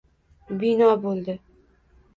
Bino bo’ldi